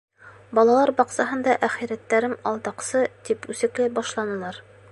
Балалар баҡсаһында әхирәттәрем «алдаҡсы» тип үсекләй башланылар.